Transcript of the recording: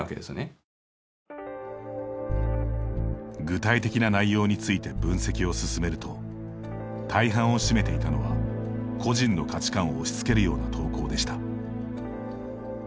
具体的な内容について分析を進めると大半を占めていたのは個人の価値観を押しつけるような投稿でした。